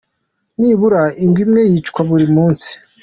Nibura ingwe imwe yicwa buri munsi.